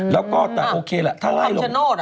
แล้วก็แต่โอเคแหละถ้าไล่ลง